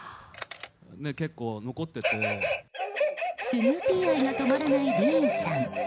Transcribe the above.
スヌーピー愛が止まらないディーンさん。